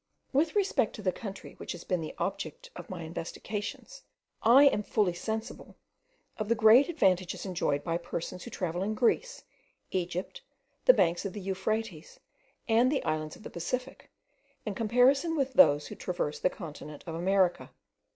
With respect to the country which has been the object of my investigations, I am fully sensible of the great advantages enjoyed by persons who travel in Greece, Egypt, the banks of the Euphrates, and the islands of the Pacific, in comparison with those who traverse the continent of America.